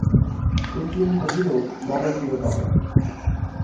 রুক্মিণী কহিল, বলো প্রিয়তমে।